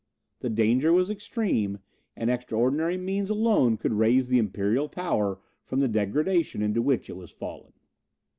The danger was extreme, and extraordinary means alone could raise the imperial power from the degradation into which it was fallen.